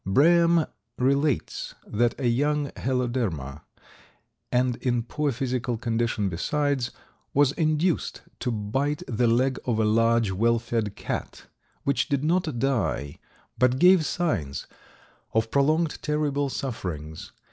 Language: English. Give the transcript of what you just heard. Brehm relates that a young Heloderma, and in poor physical condition besides, was induced to bite the leg of a large, well fed cat, which did not die, but gave signs of prolonged terrible sufferings.